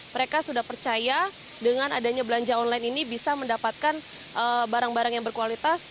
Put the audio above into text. mereka sudah percaya dengan adanya belanja online ini bisa mendapatkan barang barang yang berkualitas